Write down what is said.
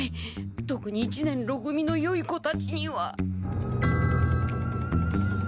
とくに一年ろ組のよい子たちには。